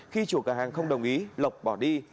khi chủ cửa hàng không đồng ý lộc bỏ đi